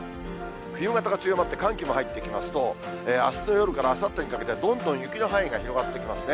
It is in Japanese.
冬型が強まって、寒気も入ってきますと、あすの夜からあさってにかけては、どんどん雪の範囲が広がってきますね。